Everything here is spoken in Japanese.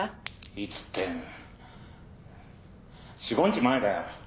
いつって４５日前だよ。